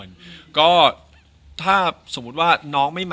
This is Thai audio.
จะรักเธอเพียงคนเดียว